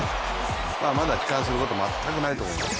まだ悲観すること全くないと思います。